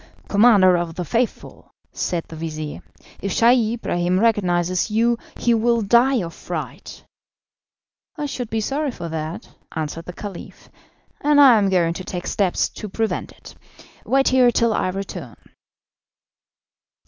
"Commander of the Faithful," said the vizir, "if Scheih Ibrahim recognises you he will die of fright." "I should be sorry for that," answered the Caliph, "and I am going to take steps to prevent it. Wait here till I return."